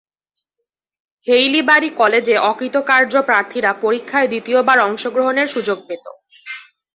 Haileybury কলেজে অকৃতকার্য প্রার্থীরা পরীক্ষায় দ্বিতীয়বার অংশ গ্রহণের সুযোগ পেত।